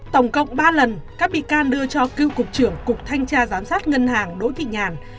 tổng cộng ba lần các bị can đưa cho cựu cục trưởng cục thanh tra giám sát ngân hàng đỗ thị nhàn